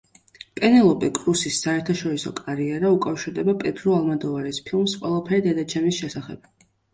პენელოპე კრუსის საერთაშორისო კარიერა უკავშირდება პედრო ალმოდოვარის ფილმს „ყველაფერი დედაჩემის შესახებ“.